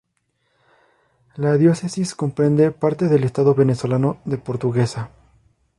La diócesis comprende parte del estado venezolano de Portuguesa.